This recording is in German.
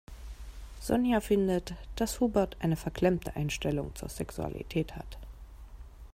Sonja findet, dass Hubert eine verklemmte Einstellung zur Sexualität hat.